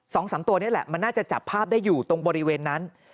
สองสามตัวนี่แหละมันน่าจะจับภาพได้อยู่ตรงบริเวณนั้น